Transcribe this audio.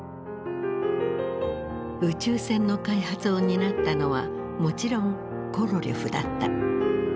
宇宙船の開発を担ったのはもちろんコロリョフだった。